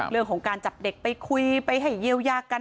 เรื่องของการจับเด็กไปคุยไปให้เยียวยากัน